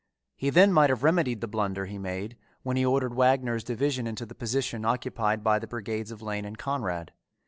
He then might have remedied the blunder he made, when he ordered Wagner's division into the position occupied by the brigades of Lane and Conrad.